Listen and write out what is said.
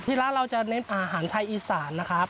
ร้านเราจะเน้นอาหารไทยอีสานนะครับ